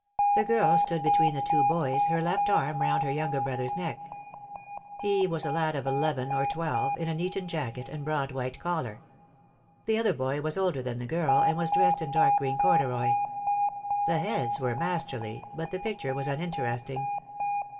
The girl stood between the two boys, her left arm round her younger brother's neck. He wras a lad of eleven or twelve, in an Eton jacket and broad white collar. The other boy was older than the girl, and was dressed in dark green corduroy. The heads were masterly, but the picture was uninteresting.